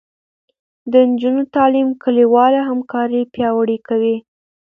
د نجونو تعلیم کلیواله همکاري پیاوړې کوي.